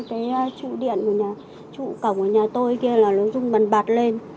cái trụ điện của nhà trụ cổng của nhà tôi kia là nó rung bần bật lên